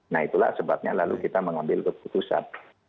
nah itulah sebabnya lalu kita mengambil keputusan